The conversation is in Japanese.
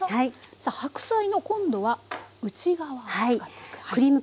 さあ白菜の今度は内側を使っていく。